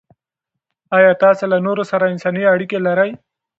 آیا تاسې له نورو سره انساني اړیکې لرئ؟